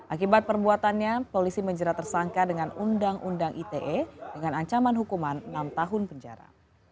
akibat perbuatannya polisi menjerat tersangka dengan undang undang ite dengan ancaman hukuman enam tahun penjara